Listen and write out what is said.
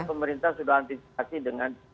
pemerintah sudah antisipasi dengan